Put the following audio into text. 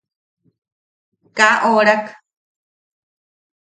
Kaa orak.